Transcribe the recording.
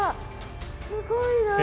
すごいなあ。